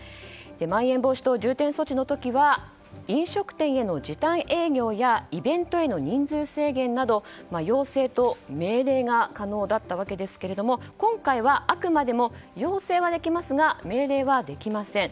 まん延防止等重点措置の時は飲食店への時短営業やイベントへの人数制限など要請と命令が可能だったわけですが今回はあくまでも要請はできますが命令はできません。